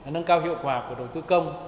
nâng cao hiệu quả của đầu tư công